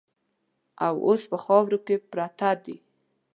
او اوس په خاورو کې پراته دي.